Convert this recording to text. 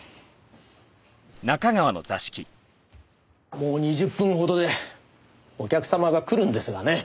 もう２０分ほどでお客様が来るんですがね。